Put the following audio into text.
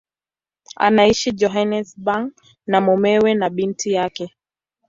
Anaishi Johannesburg na mumewe na binti yake.